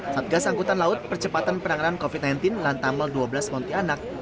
satgas angkutan laut percepatan penanganan covid sembilan belas lantamal dua belas pontianak